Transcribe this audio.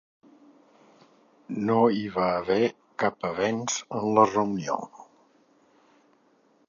No hi va haver cap avenç en la reunió.